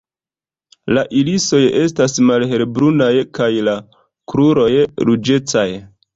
La irisoj estas malhelbrunaj kaj la kruroj ruĝecaj.